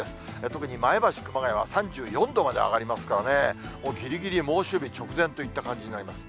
特に前橋、熊谷は３４度まで上がりますからね、ぎりぎり猛暑日直前といった形になります。